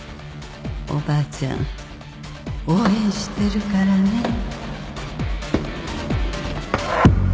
おばあちゃん応援してるからね